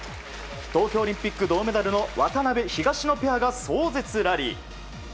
東京オリンピック、銅メダルの渡辺、東野ペアが壮絶ラリー。